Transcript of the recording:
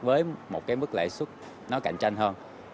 với một mức lãi xuất nó cạnh tranh hơn